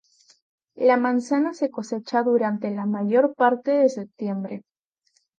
La manzana se cosecha durante la mayor parte de septiembre.